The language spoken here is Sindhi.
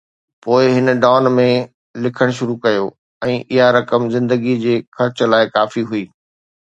پوءِ هن ڊان ۾ لکڻ شروع ڪيو ۽ اها رقم زندگي جي خرچ لاءِ ڪافي هئي.